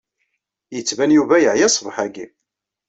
Yettban Yuba yeɛya ṣṣbeḥ-agi.